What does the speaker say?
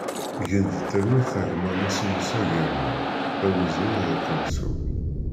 Gen di talwit a gma Masinisa Germaḥ, d awezɣi ad k-nettu!